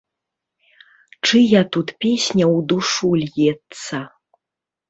Чыя тут песня ў душу льецца?